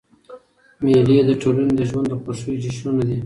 مېلې د ټولني د ژوند د خوښیو جشنونه دي.